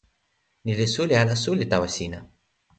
ni li suli ala suli tawa sina?